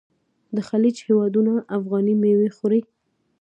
د خلیج هیوادونه افغاني میوې خوښوي.